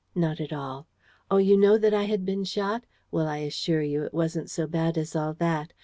. Not at all! ... Oh, you know that I had been shot? Well, I assure you, it wasn't so bad as all that.